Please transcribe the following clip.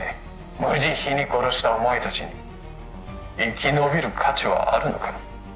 無慈悲に殺したお前達に生き延びる価値はあるのかな？